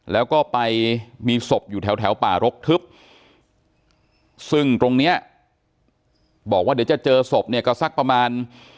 แล้วก็ไปมีศพอยู่แถวป่ารกทึบซึ่งตรงเนี้ยบอกว่าเดี๋ยวจะเจอศพเนี่ยก็สักประมาณ